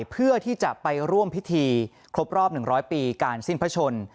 เพื่อที่จะไปร่วมพิธีครบรอบ๑๐๐ปีการสิ้นพระชน